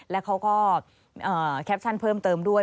แล้วเขาก็แคปชั่นเพิ่มเติมด้วย